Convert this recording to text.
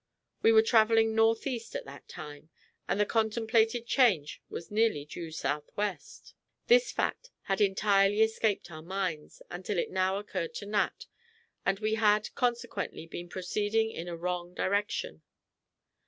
We were traveling northeast at that time, and the contemplated change was nearly due southwest. This fact had entirely escaped our minds, until it now occurred to Nat, and we had, consequently, been proceeding in a wrong direction.